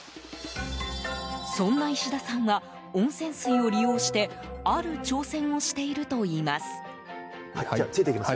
そんな石田さんは温泉水を利用してある挑戦をしているといいます。